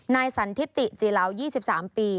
นายสันธิติจิเหลา๒๓ปี